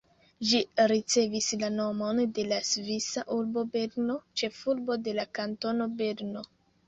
Ĝi ricevis la nomon de la svisa urbo Berno, ĉefurbo de la kantono Berno.